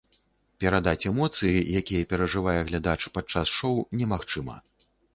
Перадаць эмоцыі, якія перажывае глядач падчас шоў, немагчыма.